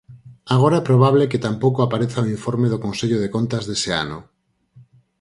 Agora é probable que tampouco apareza o informe do Consello de Contas dese ano.